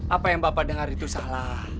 apa yang bapak dengar itu salah